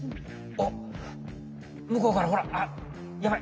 おっむこうからほらあっやばい。